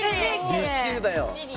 びっしりだよ。